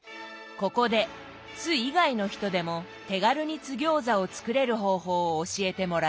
ここで津以外の人でも手軽に津ぎょうざを作れる方法を教えてもらいます。